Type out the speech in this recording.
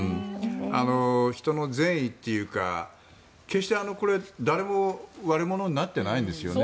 人の善意というか決してこれ、誰も悪者になってないんですよね。